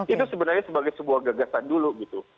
itu sebenarnya sebagai sebuah gagasan dulu gitu